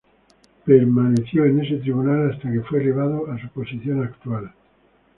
Permaneció en ese tribunal hasta que fue elevado a su posición actual.